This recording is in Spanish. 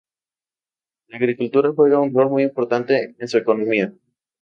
La agricultura juega un rol muy importante en su economía.